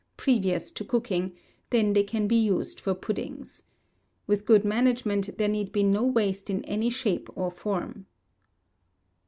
previous to cooking; they can be used for puddings. With good management there need be no waste in any shape or form.